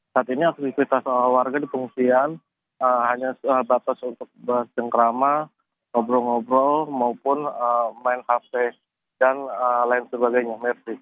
saat ini aktivitas warga di pengungsian hanya sebatas untuk bercengkrama ngobrol ngobrol maupun main hp dan lain sebagainya